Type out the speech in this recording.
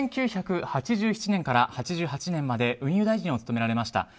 １９８７年から８８年まで運輸大臣を務められました。